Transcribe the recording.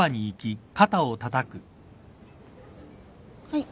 はい。